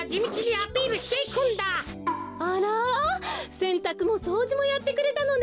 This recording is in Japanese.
せんたくもそうじもやってくれたのね。